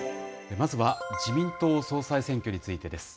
まずは自民党総裁選挙についてです。